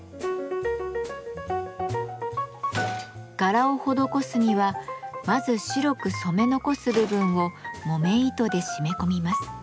柄を施すにはまず白く染め残す部分を木綿糸で締め込みます。